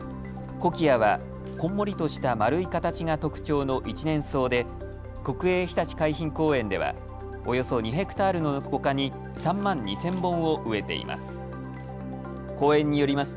コキアはこんもりとした丸い形が特徴の一年草で国営ひたち海浜公園ではおよそ２ｈａの丘に３万２０００本を植えています。